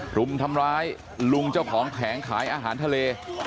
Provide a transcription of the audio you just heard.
รุมทำร้ายลุงเจ้าของแผงขายอาหารทะเล